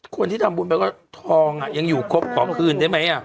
คนที่ทำบุญไปก็ทองยังอยู่ครบขอคืนได้ไหม